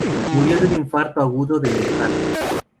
Murió de un infarto agudo de miocardio.